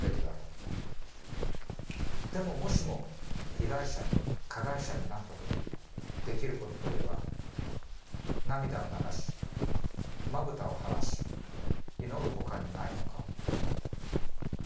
でももしも被害者に加害者になったとき出来ることと言えば涙を流し瞼を腫らし祈るほかにないのか？